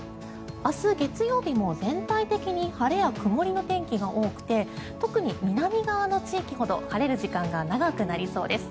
明日、月曜日も全体的に晴れや曇りの天気が多くて特に南側の地域ほど晴れる時間が長くなりそうです。